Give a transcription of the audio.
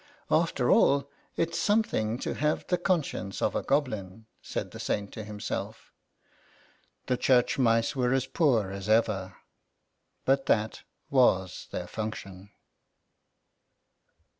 " After all, it's something to have the con science of a goblin," said the Saint to himself. The church mice were as poor as ever. But that was their function.